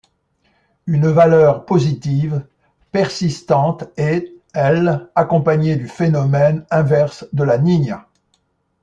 Une valeur positive persistante est, elle, accompagnée du phénomène inverse de La Niña.